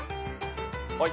はい。